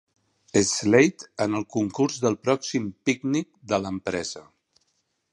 Slate en el concurs del pròxim pícnic de l'empresa.